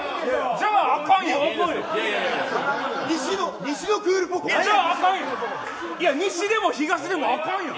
じゃあ、あかんやん。